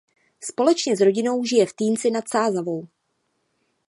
Společně s rodinou žije v Týnci nad Sázavou.